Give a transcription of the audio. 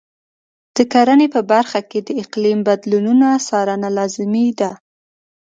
د کرنې په برخه کې د اقلیم بدلونونو څارنه لازمي ده.